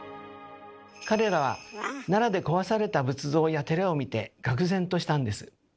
彼らは奈良で壊された仏像や寺を見てがく然としたんです。